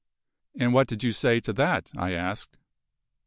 "And what did you say to that?" I asked.